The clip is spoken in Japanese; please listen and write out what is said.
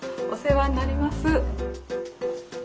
お世話になります。